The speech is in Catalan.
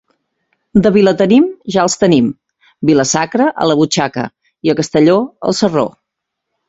De Vilatenim, ja els tenim; Vila-sacra, a la butxaca, i a Castelló, al sarró.